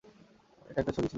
এটা একটা ছুরি ছিলো।